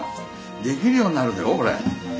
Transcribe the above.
できるようになるよこれ。